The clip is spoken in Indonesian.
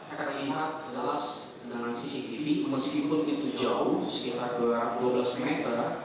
hektare ingat kecalas dengan cctv meskipun itu jauh sekitar dua belas meter